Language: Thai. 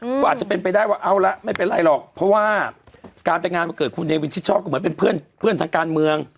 ก็อาจจะเป็นไปได้ว่าเอาละไม่เป็นไรหรอกเพราะว่าการไปงานวันเกิดคุณเนวินชิดชอบก็เหมือนเป็นเพื่อนเพื่อนทางการเมือง